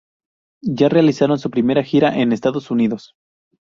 Ya realizaron su primera gira en Estados Unidos.